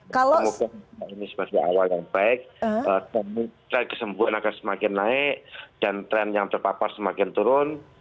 kalau ini sebagai awal yang baik tren kesembuhan akan semakin naik dan tren yang terpapar semakin turun